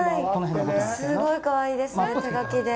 これすごいかわいいですね。